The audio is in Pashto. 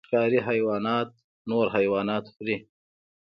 ښکاري حیوانات نور حیوانات خوري